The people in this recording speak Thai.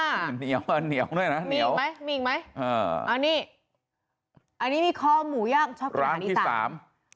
เหนียวด้วยนะเหนียวมีอีกไหมอันนี้มีคอหมูย่างชอบกันอีกต่างร้านที่๓